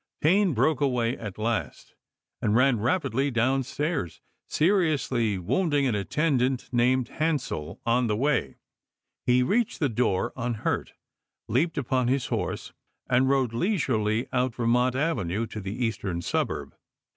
Payne broke away at last and ran rapidly downstairs, seriously wounding an at tendant named Hansell on the way. He reached the door unhurt, leaped upon his horse, and rode leisurely away out Vermont Avenue to the eastern suburb.